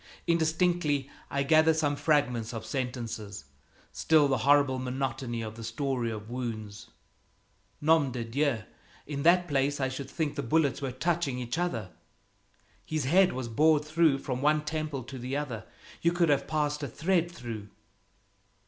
Indistinctly I gather some fragments of sentences still the horrible monotony of the story of wounds: "Nom de Dieu! In that place I should think the bullets were touching each other." "His head was bored through from one temple to the other. You could have passed a thread through."